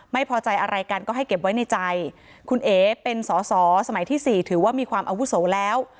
ไม่พอใจอะไรกันก็ให้เก็บไว้ในใจคุณเอ๋เป็นสอสอสมัยที่สี่ถือว่ามีความอาวุโสแล้ว